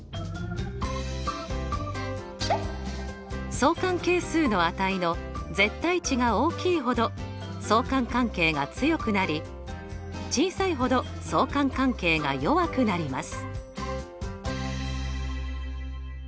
相関係数の値の絶対値が大きいほど相関関係が強くなり小さいほど相関関係が弱くなります。